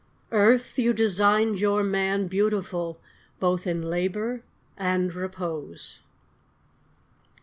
.. Earth, you designed your man Beautiful both in labour, and repose.